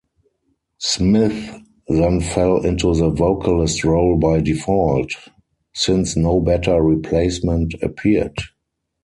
Smith then fell into the vocalist role by default, since no better replacement appeared.